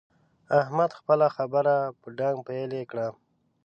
احمد خپله خبره په ډانګ پېيلې کړه.